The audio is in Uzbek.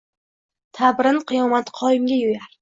Ta’birin qiyomat qoyimga yo’yar: